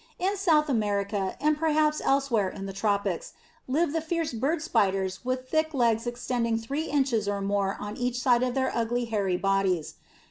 In South America and perhaps elsewhere in the tropics, live the fierce bird spiders with thick legs extending three inches or more on each side of their ugly hairy bodies.